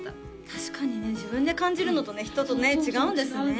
確かにね自分で感じるのとね人とね違うんですね